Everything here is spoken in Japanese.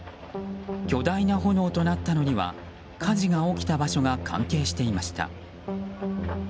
巨大な炎となったのには火事が起きた場所が関係していました。